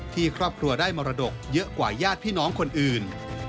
ครอบครัวได้มรดกเยอะกว่าญาติพี่น้องคนอื่น